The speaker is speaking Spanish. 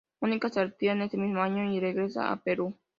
Mónica se retira ese mismo año, y regresa a Perú.